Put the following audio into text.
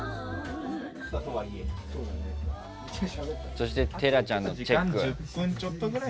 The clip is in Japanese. そして寺ちゃんのチェック。